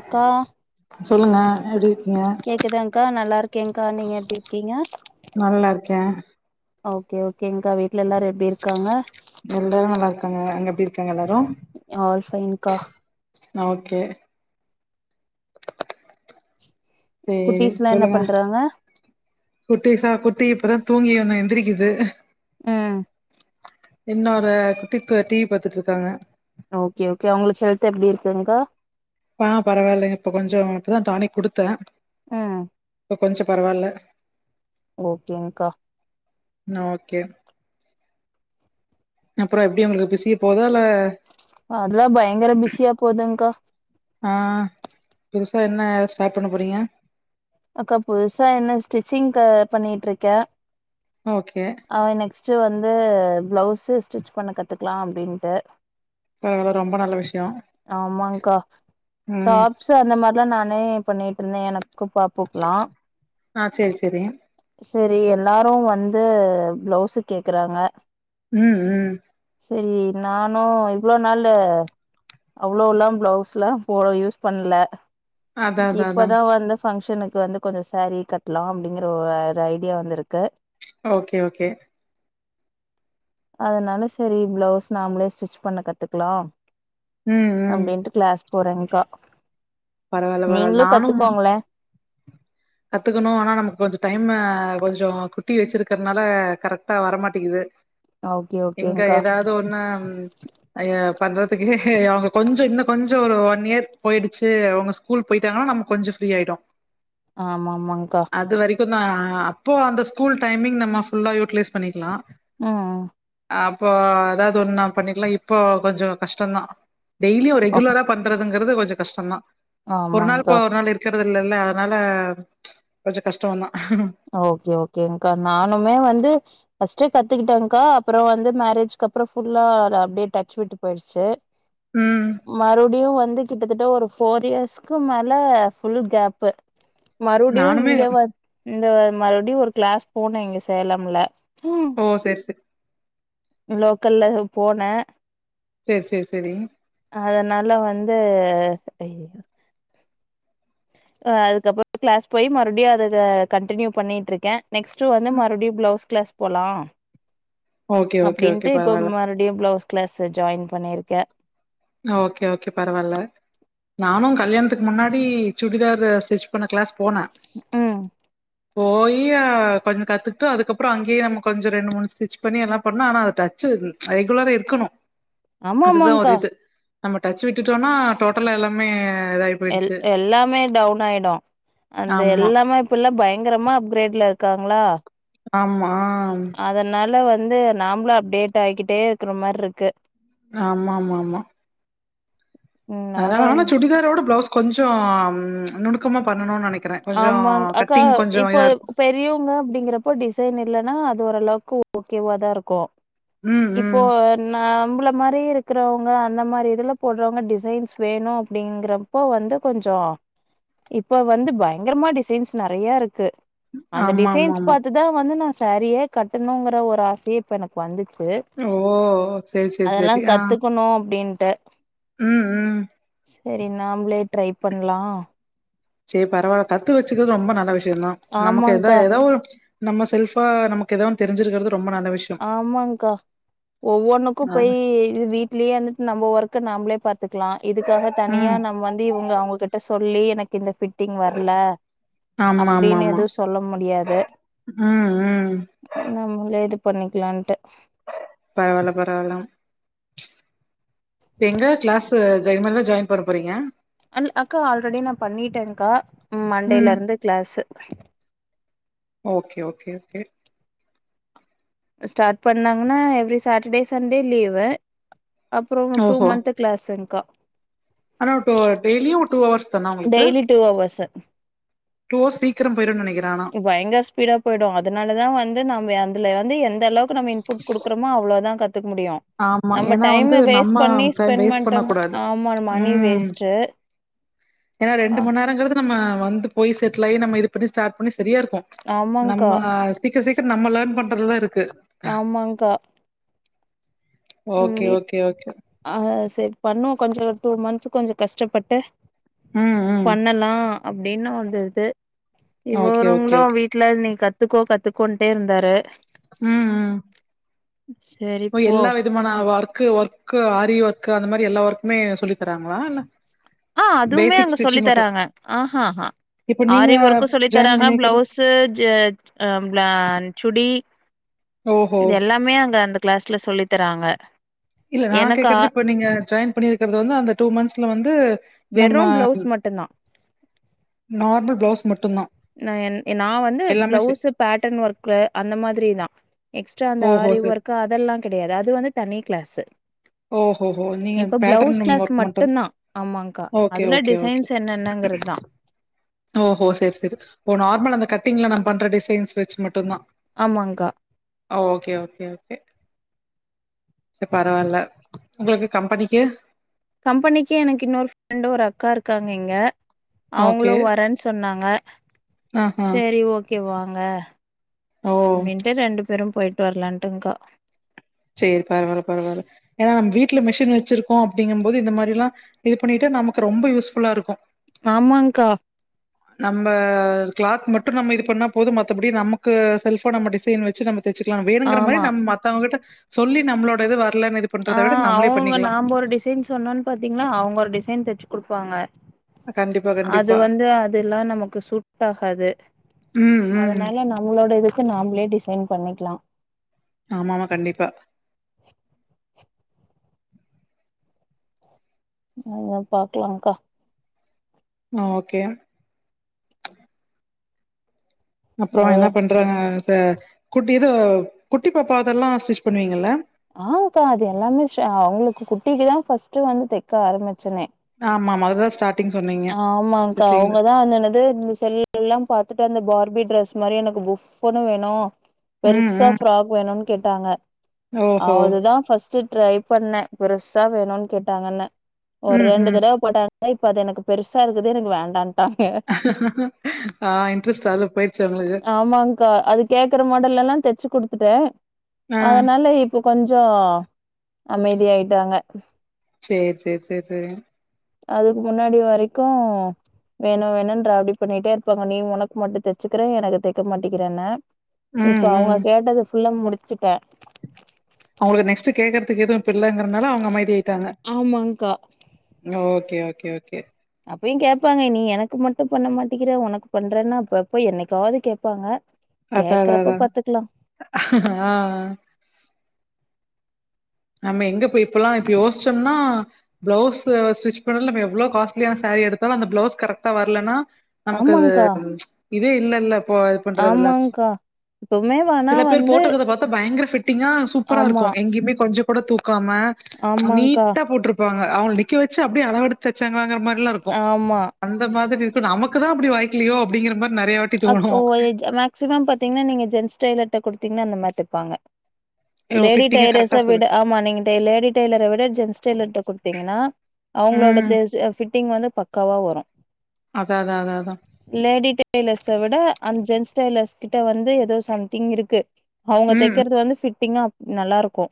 அக்கா சொல்லுங்க எப்டி இருக்கீங்க கேக்குதாங்க்கா நல்லா இருக்கேன்கா நீங்க எப்டிருக்கீங்க நல்லா இருக்கே ஓகே ஓகேங்கா வீட்டுல எல்லாரும் எப்டி இருக்காங்க எல்லாரு நல்லா அங்க எப்டிருக் ஆல் பைன்க்கா ஓகே சேரி குட்டீஸ்லா என்ன சொல்லுங்க பண்றாங்க குட்டிசா குட்டி இப்பதா தூங்கி ஒன்னு எந்திரிக்குது [unintelligible] இன்னொரு குட்டிப்பு டிவி பாத்துட்டு இருக்காங்க ஓகே ஓகே அவங்களுக்கு ஹெல்த் எப்டி இருக்குங்கா பா பரவாயில்லை இப்ப கொஞ்சம் இப்பதா டானிக் குடுத்தே ம் கொஞ்ச பரவால்ல ஓகேங்கா ஓகே அப்றம் எப்டி ஒங்களுக்கு பிசிய போதா இல்ல அதுலாம் பயங்கர பிஸியா போதுங்கா ஆ புதுசா என்ன ஸ்டாட் பண்ண போறீங்க அக்கா புதுசா என்ன ஸ்டிச்சிங்க்க பண்ணிட்ருக்கே ஓகே ச்சு வந்து பிளவுஸ்சு ஸ்டிட்ச் பண்ண கத்துக்கலா அப்டின்ட்டு பரவால்ல ரொம்ப நல்ல விஷயோ ஆமாங்கா ம் டாப்ஸ் அந்த மார் தான் நானே பண்ணிட்டுருந்தேன் எனக்கு பாப்புக்குலா ஆ செரி செரி செரி எல்லாரும் வந்து பிளவ்சு கேக்குறாங்க ம் ம் சரி நானு இவ்ளோ நாள்ளு அவ்ளோ எல்லா ப்ளவுஸ்லா போ யூஸ் பண்ல அதா அதா அதா இப்பதா வந்து பங்க்ஷனுக்கு வந்து கொஞ்ச சாரீ கட்டலாம் அப்டிங்கற வேர ஐடியாலா இருக்கே ஓகே ஓகே அதனால சரி ப்ளவுஸ் நாமளே ஸ்டிச் பண்ண கத்துக்கலாம் ம் ம் அப்டின்டு கிளாஸ் போறேங்கா பரவால்ல நீங்ளு கத்துக்கோங்களே கத்துக்கனு ஆனா நமக்கு கொஞ்சோ டைம்மு கொஞ்சோ குட்டி வச்சிருக்றனால கரெட்டா வர மாட்டேக்கிது ஓகே இங்க ஓகேங்க்கா ஏதாவது ஒண்ணு அய்ய பண்ற அவுங்க கொஞ்சோ இன்னு கொஞ்சோ ஒரு ஒன் இயர் போயிடுச்சு அவுங்க ஸ்கூல் போயிட்டாங்னா நம்ம கொஞ்சோ ஃப்ரீயாயிடு ஆமா ஆமாங்கா புர்னா அப்போ அந்த ஸ்கூல் டைமிங் நம்ம ஃபுல்லா யூட்டிலைஸ் பண்ணிக்லா ம் ம் அப்போ ஏதாவது ஒன் நா பண்ணிக்லா இப்போ கொஞ்சோ கஷ்டோதா டெய்லி ஒரு ரெகுலரா பண்றதுங்கிறது கொஞ்சோ கஷ்டோ தா ஒரு நாள் ஆமாங்க்கா கோ ஒரு நாள் இருக்க இல்லல்ல அதனால கொஞ்சோ கஷ்டோ தா ஓகே ஓகேங் கா நானுமே வந்து ஃபஸ் ட்டு கத்துக்கிட்டேங்க்கா அப்றோ வந்து மேரேஜ்க் அப்றோ ஃபுல்லா அது அப்டே டச் விட்டு போயிருச்சு ம் மறுடியு வந் து கிட்டத் தட்ட ஒரு ஃபோர் இயர்ஸ்கு மேல ஃபுல் கேப்பு மறுடியு நானுமே இங்க வ இந்த மறுடியு ஒரு கிளாஸ் போனே இங்க சேலம்ல ஓ செரி செரி லோக்கல்ல போன சேர் சேர் சேரி அதனால வந்து அ அதுக்கப்றோ க்ளாஸ் போய் மறுடியு அதத கன்டினியூ பண்ணிட்ருக்கே நெக்ஸ்ட்டு வந்து மறுடியு ப்ளவுஸ் கிளாஸ் போலா ஓகே ஓகே ஓகே அப்டின்ட்டு இப்போ பரவால்ல மறுடியு ப்ளவுஸ் க்ளாஸு ஜாயின் பண்ணிருக்கே ஓகே ஓகே பரவால்ல நானு கல்யாண்த்துக்கு முன்னாடி சுடிதார் அது ஸ்டிச் பண்ண க்ளாஸ் ம் போயி அ கொஞ்ச கத்துக்ட்டு அதுக்கப்றோ அங்கேயே நம்ம கொஞ்ச ரெண்டு மூணு ஸ்டிச் பண்ணி எல்லா பண்ணு ஆனா அத தச்சு ரெகுலரா இருக்கனு ஆமா ஆமாங் கா நம்ம டச் விட்டுட்டோனா டோட்டலா எல்லாமே இதாயி எல் போயிடுச்சு எல்லாமே டவுன் ஆயிடு அந்த ஆமா எல்லாமே இப்பல்லா பயங்கரமா அப்க்ரேட்ல இருக் காங்ளா ஆமா வந்து நாம்பளு அப்டேட் ஆய்கிட்டேருக்கற மார்ருக்கு ஆமாமாமா ம் நானு அதால ஆனா சுடிதாரோட ப்ளவுஸ் கொஞ்சோ ம்ச் நுணுக்கமா பண்ணணு நெனைக் ஆமாங் அக்கா இப்போ பெரியவுங்க அப்டிங்கறப்ப டிசைன் எ இல்லனா அது ஓரளவுக்கு ஓகேவா தா இருக்கு ம் இப்போ ம் நம்பள மாரி இருக்கறவுங்க அந்த மாரி இதுல போட்றவுங்க டிசைன்ஸ் வேணு அப்டிங்றப்போ வந்து கொஞ்சோ இப்ப வந்து பய ங்கரமா டிசைன்ஸ் நெறையருக்கு அந்த டிசைன்ஸ் ஆமாமாமா. பாத்து தா வந்து நா சாரியே கட்டணுங்ற ஒரு ஆசையே இப்ப எனக்கு வந்துச் சு ஓ! சரி, சரி, அதெல்லா சரி. ஆ. கத்துக்குணு அப்டின்ட்டு ம் ம் செரி நாம்ளே ட்ரை பண்லா செர் பரவால்ல கத்து வச்சுக்கிறது ரொம்ப நல்ல விஷிய தா நமக்கு எந்த ஆமாங்க்கா ஏதோ ஒரு நம்ம செல்ஃபா நமக்கு ஏதோன் தெரிஞ்சிருக்கறது ஆமாங் கா ஒவ்வொன்னுக்கு போய் அது இது வீட்லயேந்துட்டு நம்ம ஒர்க் கு நாம்ளே பாத்துக்லா இதுக்காக தனியா ம். நம் வந்து இவுங்க அவுங்ககிட்ட சொல்லி எனக்கு இந்த ஃபிட் டிங் வர்ல அப்டினு ஆமாமாமா. எது சொல்ல முடியாது ம், ம். நம்மளே இது பண்ணிக்கலான்ட்டு பரவால்ல பரவால்ல இப்ப எங்க கிளாஸ் ஜயமாம் ஜாயின் பண்ண போறீங்க க்கா மண்டேல ம். இருந்து class okay okay okay start பண்ணாங்கன்னா எவ்ரி சாட்டர்டே சண்டே லீவு அப்புறம் டூ ஓஹோ! மந்த் கிளாஸுங்க்கா ஆனா டெய்லியும் டூ அவர்ஸ் தானா உங்களுக்கு daily two hours two hours சீக்கிரம் போயிரும்னு நெனைக்கிறேன் ஆனா. பயங்கர ஸ்பீடா போயிடு அதனாலதான் வந்து நம்ம அதுல வந்து எந்த அளவுக்கு நம்ம இன்புட் கொடுக்குறோமோ அவ்வளோதான் கத்துக்க முடியு ஆமா. நம்ம ஏன்னா டைம் வந்து நம்ம வேஸ்ட் பண்ணி டைம் ஸ்பெண்ட் வேஸ்ட் பண்ட்டோம்னா பண்ணக்கூடாது. ஆமா மணி ம். வேஸ்ட்டு ஏன்னா ஆ ரெண்டு மணிேரங்கிறது நம்ம வந்து போய் செட்ல ஆகி நம்ம இது பண்ணி ஸ்டார்ட் பண்ணி சரியா இருக்கும் ஆமாங்க்கா நம்ம சீக்கிர சீக்கரம் நம்ம லேர்ன் பண்றதுலதா இருக்கு ஆமாங்க்கா ம் ஓகே வீட் ஓகே ஓகே ஆ சரி பண்ணோ கொஞ்சம் டூ மந்த்ஸ்க கொஞ்சம் கஷ்டப்பட்டு ம், ம். பண்ணலா அப்படின்னு வந்துடுது ஓகே, ஓகே, இவ்வருங்களும் ஓகே. வீட்டல நீ கத் கத்துக்கோ கத்துக்கோன்டே இருந்தாரு ம் ம் சரிப்போ ஒர்கு ஒர்கு ஆரி ஒர்க் அந்த மாரி எல்லா ஒர்க்குமே சொல்லி தராங்களா இல்ல ஆ அதுவுமே பேசிக் அங்க சொல்லி ஸ்டிச்சிங் மட்டும். தராங்க ஆஹ்ஹா இப்ப நீங்க ஆரி ஒர்க்க சொல்லி ஜாயின் தராங்க பண்ணியிருக்கிறது பிளவுஸ்ஸு ஆ சுடி ஓஹோ! இது எல்லாமே அங்க அந்த கிளாஸ்ல சொல்லி தராங்க இல்ல நான் எனக்கா கேக்குறது இப்ப நீங்க ஜாயின் பண்ணிருக்கிறது வந்து அந்த டூ மந்த்ஸ்ல வந்து நம்ம வெறும் பிளவுஸ் மட்டும் தான் நார்மல் பிளவுஸ் ந என் நான் வந்து எல்லாமே சே பிளவுஸ் பேட்டர்ன் ஒர்க்ல அந்த மாதிரிதான் எக்ஸ்ட்ரா அந்த ஓஹோ! ஆரி சரி. ஒர்க்கு அதெல்லா கிடையாது அது வந்து தனி கிளாஸு ஓஹோஹோ! நீங்க இப்ப பிளவுஸ் பேட்டர்ன் கிளாஸ் ஒர்க் மட்டும் தான் ஆமாகா ஓகே அதுல ஓகே ஓகே டிசைன்ஸ் என்னன்ன ங்கிறது தா ஓஹோ செரி செரி ஓ நார்மல் அந்த கட்டிங்ல நா பண்ற டிசைன்ஸ் வச்சு மட்டும்தா ஆமங்கா ஓகே ஓகே ஓகே சரி பரவால்ல உங்களுக்கு கம்பெனிக்கு கம்பெனிக்கு எனக்கு இன்னொரு ஃப்ரெண்டு ஒரு அக்கா இருக்காங்க இங்க அவங்களு ஓகே. வரேன்னு சொன்னாங்க ஆஹா. சரி ஓகே வாங்க ஓ! ரெண்டே ரெண்டு பேரும் போயிட்டு வரலான்ட்டு்கா சேரி பரவால்ல பரவால்ல ஏன்னா நம்ம வீட்ல மிஷின் வச்சிருக்கோ அப்படிங்கும் போது இந்த மாதிரி எல்லா இது பண்ணிட்டு நமக்கு ரொம்ப யூஸ்ஃபுல்லா இருக்கு ஆமாங்கா நம்ம கிளாத் மட்டும் நம்ம இது பண்ணா போதும் மத்தபடி நமக்கு செல்போ நம்ம டிசைன் வச்சு நமக்கு தச்சுக்கலா வேணுங்க மாரி ஆமா நம்ம மத்தவங்ககிட்ட சொல்லி நம்மளோட இது வர ஆ அவுங்க நாம ஒரு டிசைன் சொன்னோன்னு பாத்தீங்கன்னா அவுங்க ஒரு டிசைன் தச்சு குடுப்பாங்க கண்டிப்பா, அது கண்டிப்பா. வந்து அதெல்லா நமக்கு சூட்டாகாது ம், ம். அதனால நம்மளோட இதுக்கு நாமளே டிசைன் பண்ணிக்கலா ஆமாமா கண்டிப்பா ஆ பாக்கலாங்கா ஆ ஓகே அப்புறம் ஏ என்ன பண்றாங்க த குட்டி இதோ குட்டிப் பாப்பா இதெல்லா ஸ்டிச் பண்ணுவீங்கல்ல ஆன்க்கா அது எல்லாமே அவுங்களுக்கு குட்டிக்குதான் ஃபஸ்ட்டு வந்து தக்க ஆரம்பிச்சதே ஆமாமா அதுதா ஸ்டார்டிங் சொன்னீங்க ஆமாக்கா ஸ்டிச்சிங்ல அவுங்கதான் அந்தனது இந்த செல்ல எல்லா பாத்துட்டு அந்த பார்பி ட்ரெஸ் மாரி எனக்கு புஃப்ன்னு வேணு ம் பெருசா ம் ப்ஃராக் வேணுனு கேட்டாங்க ஓஹோ அதுதான் ஃபர்ஸ்ட்டு ட்ரை பண்ணே பெருசா வேணும்ன்னு கேட்டாங்கன்னு ஒரு ம் ரெண்டு ம் தடவ போட்டாங்க இப்ப அது எனக்கு பெருசா இருக்குது எனக்கு வேண்டான்ட்டாங்க ஆ இன்ட்ரெஸ்ட் அதுல போயிருச்சு உங்களுக்கு ஆமான்க்கா அது கேக்ற மாடல்ல எல்லா தச்சுக் கொடுத்து கொடுத்துட்டே ஆ அதனால இப்ப கொஞ்ச அமைதியாயிட்டாங்க சேரி சேரி சரி சரி அதுக்கு முன்னாடி வரைக்கு வேணும் வேணும்ன்ற அப்டி பண்ணிட்டே இருப்பாங்க நீ உனக்கு மட்டும் தச்சுக்கற எனக்கு தக்க மாட்டேக்கிறன இப்ப ம் அவங்க ம் கேட்டது ஃபுல்ல முடிச்சிட்டே அவுங்களுக்கு நெக்ஸ்ட் கேக்கறதுக்கு எதுவும் இல்லங் கிறதுனால அவுங்க அமைதி ஆயிட்டாங்க ஆமாங்க்கா ஓ ஓகே ஓகே ஓகே அப்யும் கேட்பாங்க நீ எனக்கு மட்டும் பண்ண மாட்டேங்கிற உனக்கு பண்றேன்னா அப்பப்ப எப்ப என்னைக்காவது கேட்பாங்க அத அத அதான் ஆ ஆ நம்ம எங்க போய் இப்பல்லா இப்ப யோசிச்சோம்னா பிளவுஸ் ஸ்டிச் பண்றது நம்ம எவ்ளோ காஸ்ட்லியான சாரீ எடுத்தாலு அந்த பிளவுஸ் கரெக்டா வரலனா நமக்கு அது ஆமாங்க்கா இதே இல்லல்ல இப்போ இது பண்றதுல்ல ஆமாங்க்கா இப்பவுமே வேணா சில பேர் வந்து போட்டுருக்கத பாத்தா பயங்கர ஃபிட்டிங்கா சூப்பரா இருக்கு ஆமா எங்கயுமே கொஞ்ச கூட தூக்காம ஆமாங்க்கா நீட்டா போட்ருப்பாங்க அவங்கள நிக்க வச்சு அப்டியே அளவு எடுத்து தைச்சாங்களான்னு அந்த மாரிலா இருக்கும் ஆமா அந்த மாதிரி இருக்கும் நமக்கு தான் அப்படி வாய்க்கலையோ அப்டிங்கிற மாரி நெறைய வாட்டி ஓ தோணு ஒ மேக்சிமம் பாத்தீங்கன்னா நீங்க ஜென்ஸ் டைலர் கிட்ட கொடுத்தீங்கன்னா அந்த மாரி தப்பாங்க ஐயோ லேடி ஃபிட்டிங்கா கரெக்டா டெய்லர்ஸ சொல்லு விடு ஆமா நீங்க லேடி டெய்லர விட ஜென்ஸ் டெய்லர்ட்ட கொடுத்தீங்கன்னா அவுங்களோட ம் தசு பிட்டிங் வந்து பக்காவா வரும் அதா அதா அதா அதான் ஸ் அ விட ஜெண்ட்ஸ் டைலர்ஸ் கிட்ட வந்து எதோ சம்திங் இருக்கு அவுங்க ம் தக்கிறது வந்து பிட் ஃபிட்டிங்கா நல்லாருக்கு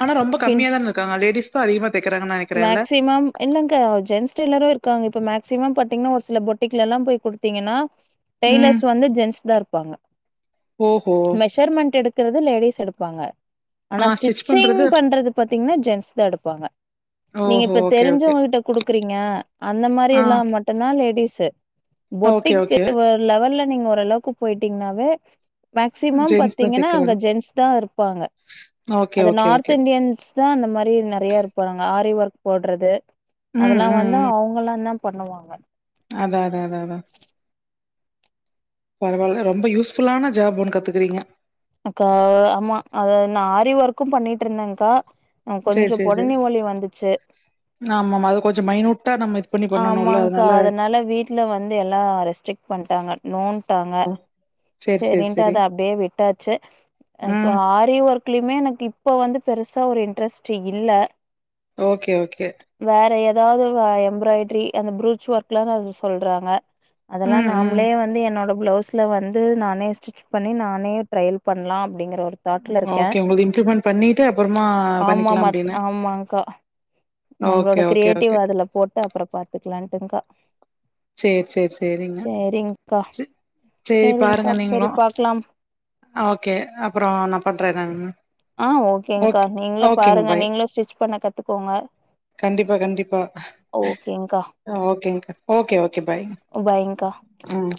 ஆனா ரொம்ப கம்மியா தான இருக்காங்க லேடிஸ் தா அதிகமா தைக்கிறாங்கன்னு [unintelligible] நெனைக்கிறேன்ல்ல மேக்சிமம் இல்லங்க ஜென்ஸ் டைலரு க்காங்க இப்ப மேக்சிமம் பாத்தீங்கன்னா ஒரு சில பொட்டிக்ல எல்லா போய் குடுத்தீங்கன்னா ம் டெய்லர்ஸ் வந்து ஜென்ஸ் தான் இருக் ப்பாங்க ஓஹோ மெஷர்மெண்ட் எடுக்றது லேடிஸ் எடுப்பாங்க ஆ ஆனா ஸ்டிச் ஸ்டிச்சிங் பண்றது பாத்தீங்கன்னா ஜென்ஸ் தான் எடுப்பாங்க நீங்க ஓஹோ இப்ப ஓகே ஓகே தெரிஞ்சவங்ககிட்ட குடுக்குறீங்க அந்த மாரி ஆ எல்லா மட்டும்தான் லேடிஸ் சரி ஓகே பொட்டிக்கு ஓகே ஒரு லெவல்ல நீங்க ஓரளவுக்கு போயிட்டீங்கன்னாவே மேக்சிமம் ஜென்ஸ் தா பாத்தீங்கன்னா அங்க தெக்கிறாங்க ஜென்ஸ் தான் இருப்பாங்க ஓகே அது ஓகே நார்த் ஓகே இண்டியன்ஸ் தான் அந்த மாதிரி நெறய இருப்பாங்க ஆரி ஒர்க் போடுறது ம் அதெல்லா வந்து அவுங்களாம் தான் பண்ணுவாங்க அதான் அதான் அதான் பரவால்ல ரொம்ப யூஸ்ஃபுல்லான ஜாப் ஒண்ணு கத்துக்றீங்க அக்கா ஆமா அத நான் ஆரி ஒர்க்கும் பண்ணிட்டு இருந்தேன்கா ஆ சேரி கொஞ்சம் சேரி சேரி பொடனி வலி வந்துச்சு ஆமாமா அது கொஞ்சோ மைனூட்டா நம்ம இது பண்ணி பண்ணணுல்ல ஆமாங்கா அதனால வீட்ல வந்து எல்லா ரெஸ்ட்ரிக்ட் பண்ணிட்டாங்க நோன்ட்டாங்க சேரி சேரி சரின்ட்டு சேரி அத அப்டியே விட்டாச்சு இப்ப ம் ஆரி ஒர்க்லயுமே எனக்கு இப்ப வந்து பெருசா ஒரு இன்ட்ரெஸ்ட் இல்ல ஓகே ஓகே வேற ஏதாவது எம்ப்ராய்டரி அந்த ப்ரூச் ஒர்க் எல்லா சொல்றாங்க அதெல்லா ம் ம் நாமளே வந்து என்னோட பிளவுஸ்ல வந்து நானே ஸ்டிச் பண்ணி நானே ட்ரரைல் பண்லா அப்படிங்கற ஒரு தாட்ல இருக்கே ஓகே உங்களது இம்ப்ளிமெண்ட் பண்ணிட்டு அப்புறமா ஆமா பண்ணிக்கலா அப்டின்னு ஆமாங்கா நம்மளோட ஓகே ஓகே கிரியேட்டிவ் ஓகே அதுல போட்டு அப்புறம் பாத்துக்கலான்ட்டு்கா செரி செரி சேரிங்க சரி சரிங்க்கா பாருங்க சரி நீங்களும் பாக்கலாம். ஓகே அப்புறம் நான் பண்றேங்க ஆ ஓகேங்க்கா நீங்கள பாருங்க பாய் நீங்களு ஸ்டிச் பண்ண கத்துக்கோங்க கண்டிப்பா கண்டிப்பா ஓகேங்க்கா. ஓகேங்கா ஓ கே ஓகே பாய் பாய்ங்க்கா. ம்